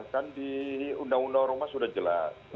kan di undang undang ormas sudah jelas